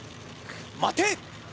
待て！